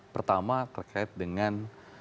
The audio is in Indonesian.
pertama terkait dengan